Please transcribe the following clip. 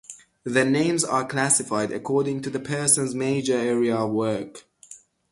The names are classified according to the person's major area of work.